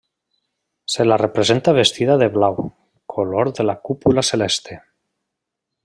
Se la representa vestida de blau, color de la cúpula celeste.